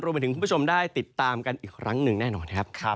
ไปถึงคุณผู้ชมได้ติดตามกันอีกครั้งหนึ่งแน่นอนครับ